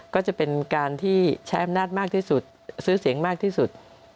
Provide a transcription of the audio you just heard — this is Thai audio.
ก็จะเป็นการที่ใช้อำนาจมากที่สุดซื้อเสียงมากที่สุด